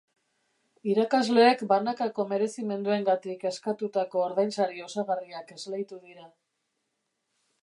Irakasleek banakako merezimenduengatik eskatutako ordainsari osagarriak esleitu dira.